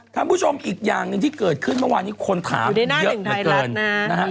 ถ้าผู้ชมอีกอย่างนึงที่เกิดขึ้นเมื่อวานนี้คนถามเยอะมากเกินอยู่ในหน้าหนึ่งไทยรัฐนะ